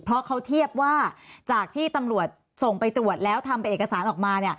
เพราะเขาเทียบว่าจากที่ตำรวจส่งไปตรวจแล้วทำเป็นเอกสารออกมา